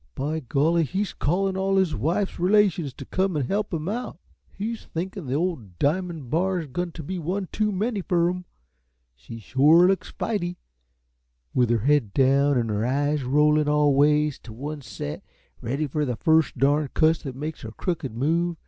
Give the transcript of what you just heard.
By golly, he's callin' all his wife's relations t' come an' help 'em out. He's thinkin' the ole Diamon' Bar's goin' t' be one too many fer 'em. She shore looks fighty, with 'er head down an' 'er eyes rollin' all ways t' oncet, ready fer the first darn cuss that makes a crooked move!